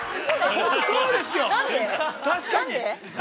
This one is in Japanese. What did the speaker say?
◆確かに！